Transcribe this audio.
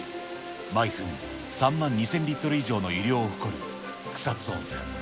毎分３万２０００リットル以上の湯量を誇る草津温泉。